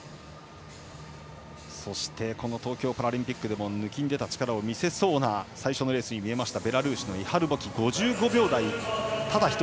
そして東京パラリンピックでもぬきんでた力を見せそうな最初のレースに見えましたベラルーシのイハル・ボキ５５秒１２。